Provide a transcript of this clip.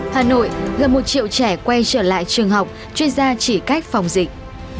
hà nội gần một triệu trẻ quay trở lại trường học chuyên gia chỉ cách phòng dịch